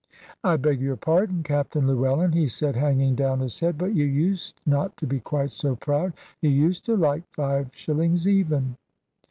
"I beg your pardon, Captain Llewellyn," he said, hanging down his head: "but you used not to be quite so proud. You used to like five shillings even."